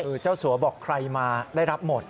คือเจ้าสัวบอกใครมาได้รับหมด